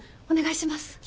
お願いします。